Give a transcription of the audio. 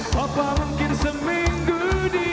papa mungkin sempat